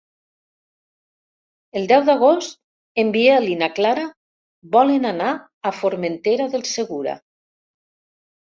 El deu d'agost en Biel i na Clara volen anar a Formentera del Segura.